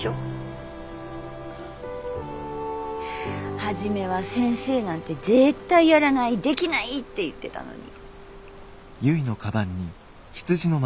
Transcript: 初めは「先生なんて絶対やらないできない」って言ってたのに。